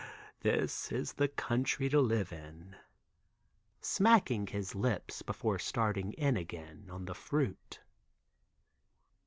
Ah, this is the Country to live in!" Smacking his lips before starting in again on the fruit.